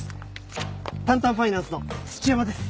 タンタンファイナンスの土山です。